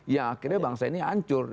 ya akhirnya bangsa ini hancur